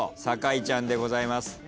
酒井ちゃんでございます。